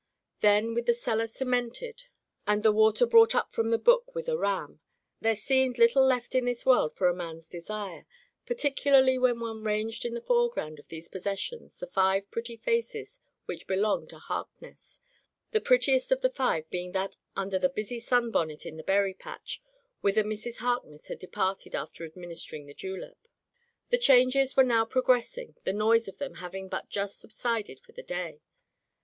Then, with the . cellar cemented and the water Digitized by LjOOQ IC Turned Out to Grass brought up from the brook with a ram, there seemed little left in this world for a man's desire, particularly when one ranged in the foreground of these possessions the five pretty faces which belonged to Harkness — the prettiest of the five being that under the busy sunbonnet in the berry patch, whither Mrs. Harkness had departed after adminis tering the julep. The changes were now progressing, the noise of them having but just subsided for the day.